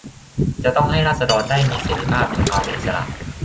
จะต้องให้ราษฎรได้มีเสรีภาพ มีความเป็นอิสระ